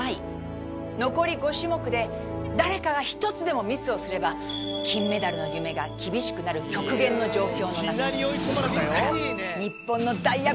残り５種目で誰かが１つでもミスをすれば金メダルの夢が厳しくなる極限の状況の中ここから日本の大躍進が始まりました！